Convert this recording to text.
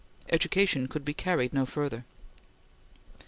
Education could be carried no further.